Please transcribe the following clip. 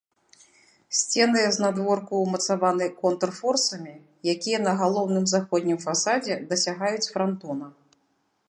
Сцены знадворку ўмацаваны контрфорсамі, якія на галоўным заходнім фасадзе дасягаюць франтона.